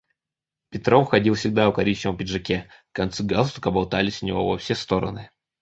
Петров ходил всегда в коричневом пиджаке, концы галстука болтались у него во все стороны.